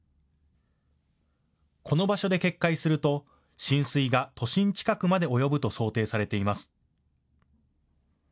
この場所で決壊すると浸水が都心近くまで及ぶと想定されています。